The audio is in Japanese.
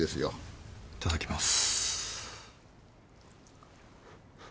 いただきます。